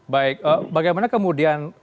baik bagaimana kemudian